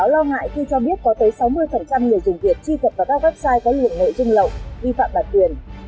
lo ngại khi cho biết có tới sáu mươi người dùng việt truy cập vào các website có nhiều nội dung lậu vi phạm bản quyền